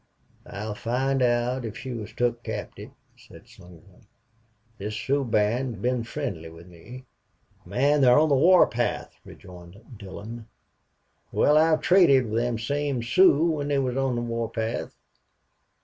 "I'll find out if she was took captive," said Slingerland. "This Sioux band has been friendly with me." "Man, they're on the war path," rejoined Dillon. "Wal, I've traded with them same Sioux when they was on the war path....